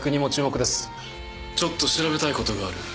「ちょっと調べたいことがある」